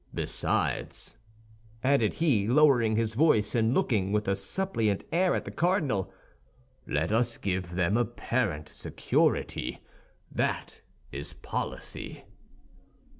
Besides," added he, lowering his voice and looking with a suppliant air at the cardinal, "let us give them apparent security; that is policy."